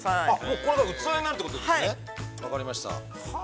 ◆これが器になるってことですね、分かりました。